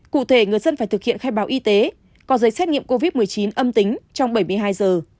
cụ thể người dân phải thực hiện khai báo y tế có giấy xét nghiệm covid một mươi chín âm tính trong bảy mươi hai giờ